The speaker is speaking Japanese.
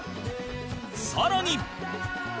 さらに